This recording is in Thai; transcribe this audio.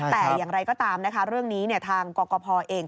แต่อย่างไรก็ตามนะคะเรื่องนี้ทางกรกภเอง